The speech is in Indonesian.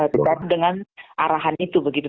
tetapi dengan arahan itu begitu